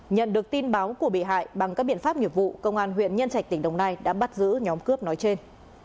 nhận được tin báo của bị hại bằng các biện pháp nghiệp vụ công an huyện nhân trạch tỉnh đồng nai đã bắt giữ nhóm cướp nói trên